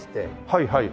はいはい。